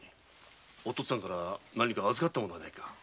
お父っつぁんから預かった物はないか？